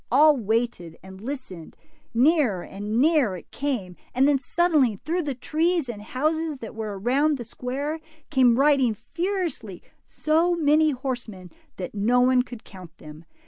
All waited, and listened. Nearer and nearer 62 DIMPLE. it came, and then suddenly, through the trees and houses that were around the square, came riding furiously so many horsemen that no one could count them.